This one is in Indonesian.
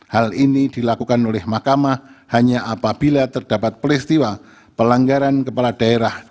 hal ini dilakukan oleh mahkamah hanya apabila terdapat peristiwa pelanggaran kepala daerah